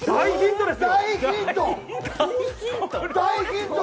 大ヒント。